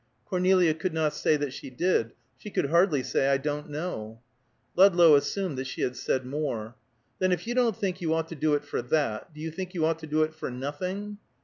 Cornelia could not say that she did; she could hardly say, "I don't know." Ludlow assumed that she had said more. "Then if you don't think you ought to do it for that, do you think you ought to do it for nothing?"